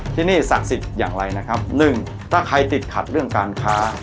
ที่นี่ศักดิ์สิทธิ์อย่างไรนะครับหนึ่งถ้าใครติดขัดเรื่องการค้า